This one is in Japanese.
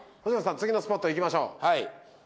次のスポット行きましょう。